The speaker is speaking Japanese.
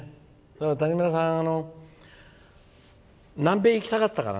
谷村さん、南米行きたかったから。